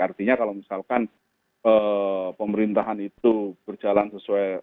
artinya kalau misalkan pemerintahan itu berjalan sesuai